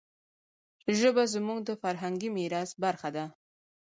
ژبه زموږ د فرهنګي میراث برخه ده.